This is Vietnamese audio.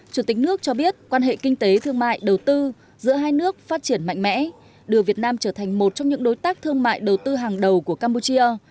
chủ tịch nước cho biết quan hệ kinh tế thương mại đầu tư giữa hai nước phát triển mạnh mẽ đưa việt nam trở thành một trong những đối tác thương mại đầu tư hàng đầu của campuchia